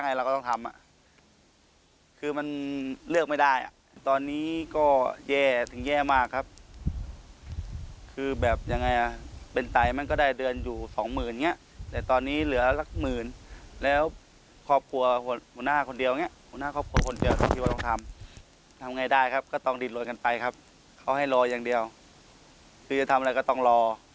อยู่๒๐๐๐อย่างงี้นี่แต่ตอนนี้เหลือละ๑๐๐๐๐๐แล้วครอบครัวหัวน่าคนเดียวดีกว่าต้องทำไหนได้ครับก็ต้องดินล้วนกันไปครับเขาให้ล่อยังเดียวคือทำแล้วก็ต้องรอ